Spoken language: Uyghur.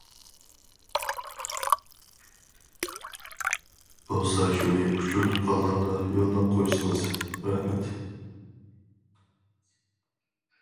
بولسا شۇنى ئۇچۇرتۇپ قالغاندا يوللاپ قويسىڭىز. رەھمەت!